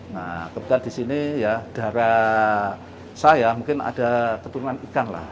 nah kebetulan di sini ya darah saya mungkin ada keturunan ikan lah